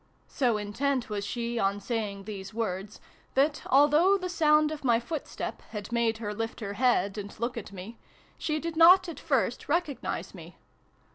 So intent was she on saying these words, that, although the sound of my footstep had made her lift her head and look at me, she did not at first recognise me.